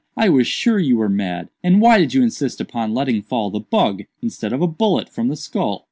I was sure you were mad. And why did you insist upon letting fall the bug, instead of a bullet, from the skull?"